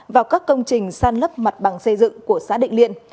vào các công trình san lấp mặt bằng xây dựng của xã định liên